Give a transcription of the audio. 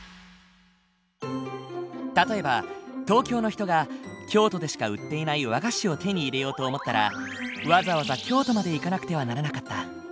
例えば東京の人が京都でしか売っていない和菓子を手に入れようと思ったらわざわざ京都まで行かなくてはならなかった。